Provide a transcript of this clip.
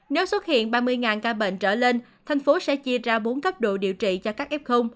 nếu xuất hiện ba mươi ca bệnh trở lên thành phố sẽ chia ra bốn cấp độ điều trị cho các f